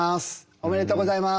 ありがとうございます。